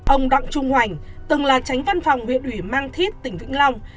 ông đặng trung hoành từng là tránh văn phòng huyện ủy mang thít tỉnh vĩnh long